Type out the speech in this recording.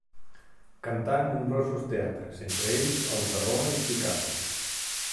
Cantà en nombrosos teatres, entre ells els de Roma i Chicago.